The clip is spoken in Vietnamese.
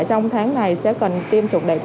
trong tháng này sẽ cần tiêm chủng